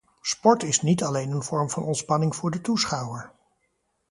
Sport is niet alleen een vorm van ontspanning voor de toeschouwer.